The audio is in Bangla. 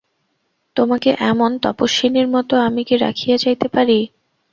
তোমাকে এমন তপস্বিনীর মতো কি আমি রাখিয়া যাইতে পারি?